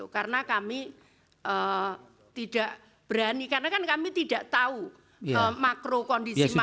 karena kami tidak berani karena kami tidak tahu makro kondisi makro masalahnya